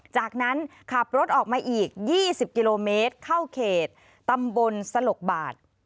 จากนั้นขับรถออกมาอีก๒๐กิโลเมตรเข้าเขตตำบลสลกบาท